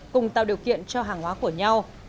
cùng tạo điều kiện cho hàng hóa của nhau